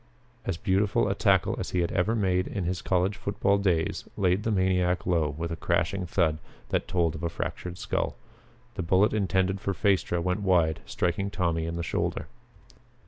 As beautiful a tackle as he had ever made in his college football days laid the maniac low with a crashing thud that told of a fractured skull. The bullet intended for Phaestra went wide, striking Tommy in the shoulder.